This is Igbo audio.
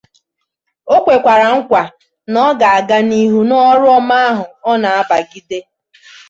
O kwekwàrà nkwà na ọ ga-aga n'ihu n'ọrụ ọma ahụ ọ na-abàgide